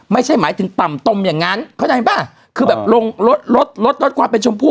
ไม่ใช่หมายถึงต่ำตมอย่างนั้นเข้าใจป่ะคือแบบลงลดลดลดลดความเป็นชมพู่